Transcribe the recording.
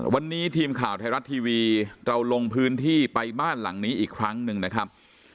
วันนี้ทีมข่าวไทยรัฐทีวีเราลงพื้นที่ไปบ้านหลังนี้อีกครั้งหนึ่งนะครับ